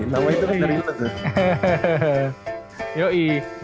nama itu bener bener tuh